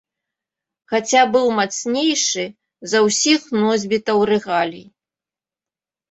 Хаця быў мацнейшы за ўсіх носьбітаў рэгалій.